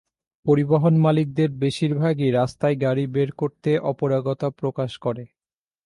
পরিবহন মালিকদের বেশির ভাগই রাস্তায় গাড়ি বের করতে অপারগতা প্রকাশ করে।